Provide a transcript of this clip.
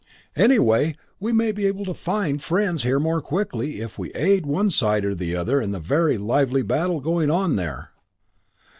Anyway, we may be able to find friends here more quickly if we aid one side or the other in the very lively battle going on there.